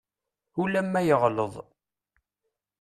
Ulamma yeɣleḍ.